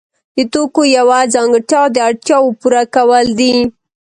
د توکو یوه ځانګړتیا د اړتیاوو پوره کول دي.